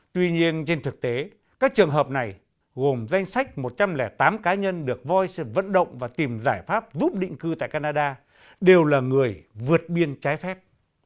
tuy nhiên trên thực tế các trường hợp này gồm danh sách một trăm linh tám cá nhân được voice vận động và tìm giải pháp giúp định cư tại canada đều là người vượt biên trái phép